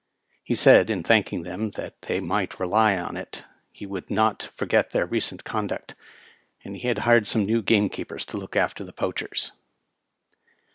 He said, in thanking them, that they might rely on it he would not forget their recent conduct, and he had hired some new gamekeepers to look after the poachers.